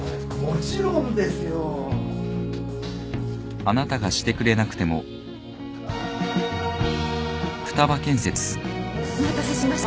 もちろんですよ。お待たせしました。